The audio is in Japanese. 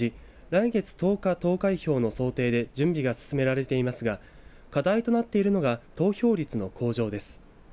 来月１０日投開票の想定で準備が進められていますが課題となっているのが投票率の向上です。